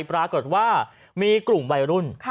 ปรากฏว่ามีกลุ่มวัยรุ่น